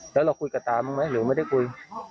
แล้วเราคุยกับตาบ้างไหมหรือไม่ได้คุย